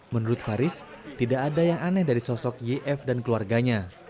menurut faris tidak ada yang aneh dari sosok yf dan keluarganya